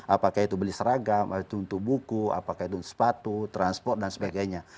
apakah itu beli seragam atau untuk buku apakah itu sepatu transport dan sebagainya